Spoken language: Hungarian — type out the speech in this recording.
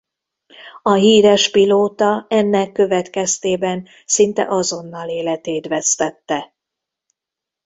A híres pilóta ennek következtében szinte azonnal életét vesztette.